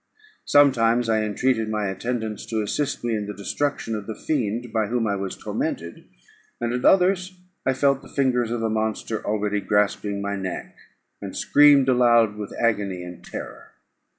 Sometimes I entreated my attendants to assist me in the destruction of the fiend by whom I was tormented; and at others, I felt the fingers of the monster already grasping my neck, and screamed aloud with agony and terror.